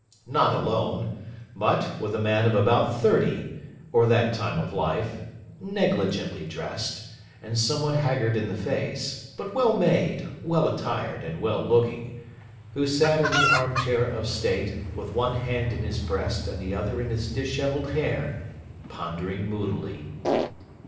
Not alone; but, with a man of thirty, or about that time of life, negligently dressed, and somewhat haggard in the face, but well made, well attired, and well looking, who sat in the armchair of state, with one hand in his breast, and the other in his dishevelled hair, pondering moodily.